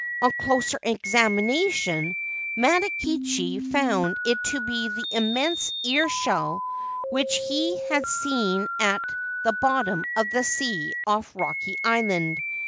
On closer examination Matakichi found it to be the immense ear shell which he had seen at the bottom of the sea off Rocky Island.